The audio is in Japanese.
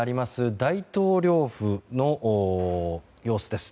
大統領府の様子です。